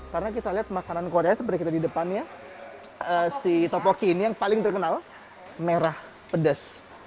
karena kita lihat makanan korea seperti kita lihat di depannya si topoki ini yang paling terkenal merah pedas